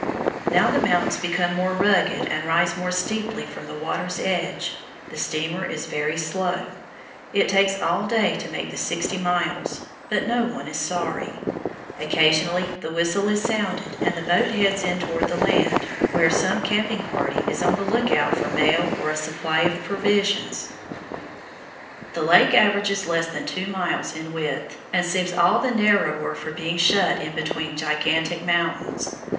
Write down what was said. Now the mountains become more rugged and rise more steeply from the water's edge. The steamer is very slow; it takes all day to make the sixty miles, but no one is sorry. Occasionally the whistle is sounded and the boat heads in toward the land, where some camping party is on the lookout for mail or a supply of provisions. [Illustration: FIG. 58. LOOKING DOWN ON LAKE CHELAN] The lake averages less than two miles in width, and seems all the narrower for being shut in between gigantic mountains.